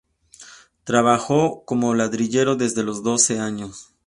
Trabajó como ladrillero desde los doce años.